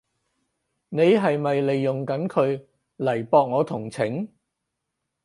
你係咪利用緊佢嚟博我同情？